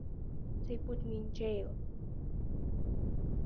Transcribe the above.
They put me in jail.